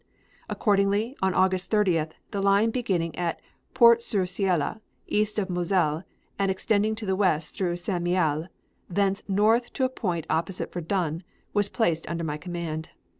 Accordingly, on August 30th, the line beginning at Port sur Seille, east of the Moselle and extending to the west through St. Mihiel, thence north to a point opposite Verdun, was placed under my command.